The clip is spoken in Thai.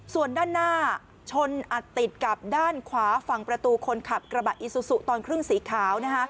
ส่วนด้านหน้าชนอัดติดกับด้านขวาฝั่งประตูคนขับกระบะอีซูซุตอนครึ่งสีขาว